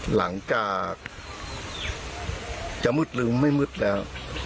หลังจากจะมืดหรือไม่มืดแล้ว